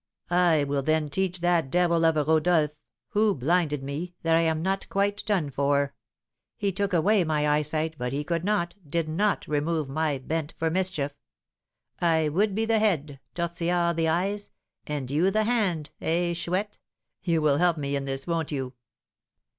I will then teach that devil of a Rodolph, who blinded me, that I am not yet quite done for. He took away my eyesight, but he could not, did not remove my bent for mischief. I would be the head, Tortillard the eyes, and you the hand, eh, Chouette? You will help me in this, won't you?"